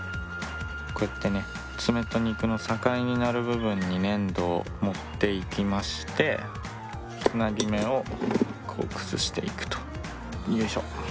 こうやってね爪と肉の境になる部分に粘土を盛っていきましてつなぎ目をこう崩していくとよいしょ。